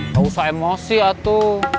gak usah emosi atu